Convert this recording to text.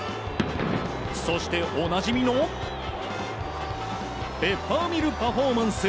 そしておなじみのペッパーミルパフォーマンス。